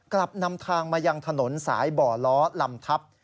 กลับนำทางมายังถนนสายบ่อล้อลำทับ